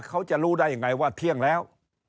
เขาจะรู้ได้ยังไงว่าเที่ยงแล้ว